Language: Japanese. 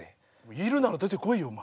いるなら出てこいよお前。